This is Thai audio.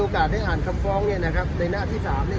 ได้อ่านคำฟ้องเนี่ยนะครับในหน้าที่๓เนี่ย